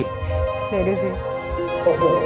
เดี๋ยวดูสิ